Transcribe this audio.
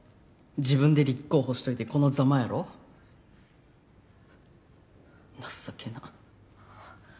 自分で立候補しといてこのザマやろ情けな